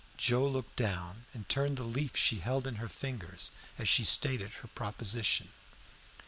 Joe looked down and turned the leaf she held in her fingers, as she stated her proposition.